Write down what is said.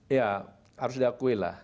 ya harus diakui lah